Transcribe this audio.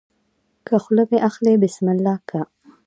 که خوله مې اخلې بسم الله که